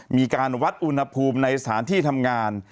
มีการวัดอุณหภูมิในสถานที่ทำงาน